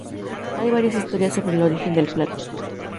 Hay varias historias sobre el origen del plato.